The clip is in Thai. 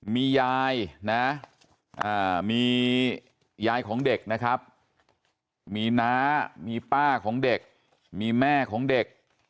มียายนะมียายของเด็กนะครับมีน้ามีป้าของเด็กมีแม่ของเด็ก